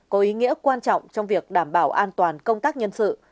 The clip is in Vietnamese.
có ý nghĩa quan trọng trong việc đảm bảo an toàn công tác nhân sự